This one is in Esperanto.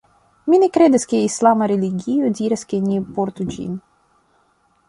Mi ne kredas ke islama religio diras ke ni portu ĝin.